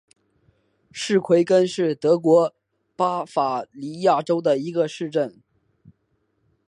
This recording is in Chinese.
施魏根是德国巴伐利亚州的一个市镇。